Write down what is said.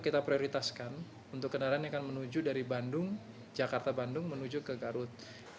kita prioritaskan untuk kendaraan yang akan menuju dari bandung jakarta bandung menuju ke garut